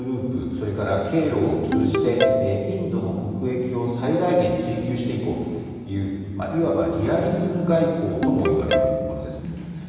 それから経路を通じてインドの国益を最大限、追求していこうといういわばリアリズム外交とも言われるものです。